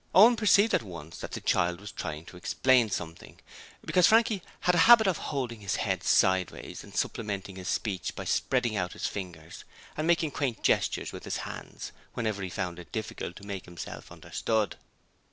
Owen perceived at once that the child was trying to explain something, because Frankie had a habit of holding his head sideways and supplementing his speech by spreading out his fingers and making quaint gestures with his hands whenever he found it difficult to make himself understood.